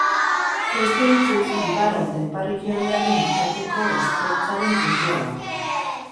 Beste hitzez, iparra eta ipar-ekialdearen bitarteko ostertzaren puntua da.